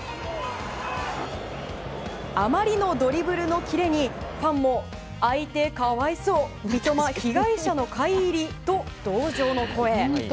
あまりのドリブルのキレにファンも相手可哀想三笘被害者の会入りと同情の声。